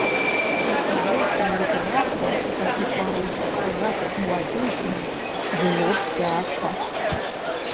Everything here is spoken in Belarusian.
І старэйшым літаратарам у такіх варунках цягацца з маладзейшымі было б цяжка.